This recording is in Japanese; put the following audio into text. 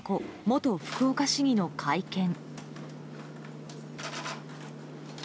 元福岡市議の会見。